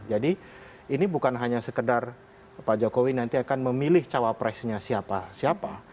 jadi ini bukan hanya sekedar pak jokowi nanti akan memilih cawapresnya siapa siapa